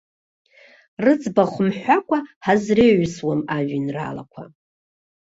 Рыӡбахә мҳәакәа ҳазреиҩсуам ажәеинраалақәа.